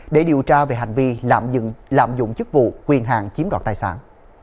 để điều tra về hành vi lạm dụng chức vụ quyền hạng chiếm đoạt tài sản